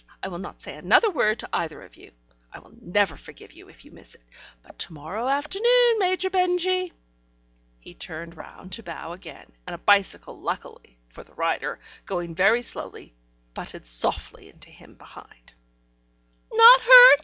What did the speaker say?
I will not say another word to either of you. I will never forgive you if you miss it. But to morrow afternoon, Major Benjy." He turned round to bow again, and a bicycle luckily (for the rider) going very slowly, butted softly into him behind. "Not hurt?"